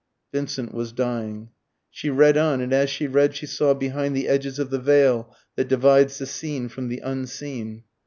Vincent was dying. She read on, and as she read she saw behind the edges of the veil that divides the seen from the unseen.